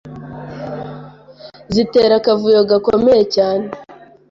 zitera akavuyo gakomeye cyane